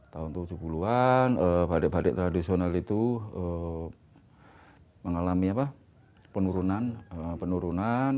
tahun tujuh puluh an badek batik tradisional itu mengalami penurunan